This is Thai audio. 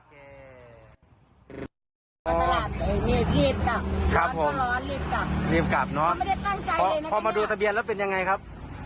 รีบกลับรีบกลับเนอะพอมาดูทะเบียนแล้วเป็นยังไงครับ